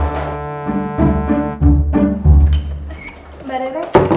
nguruk nguruk kayak begitu gak sari sari